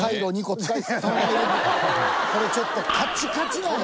これちょっとカチカチなんよ。